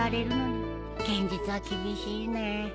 現実は厳しいね。